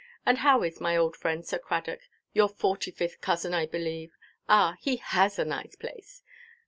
And how is my old friend, Sir Cradock, your forty–fifth cousin, I believe? Ah, he has a nice place.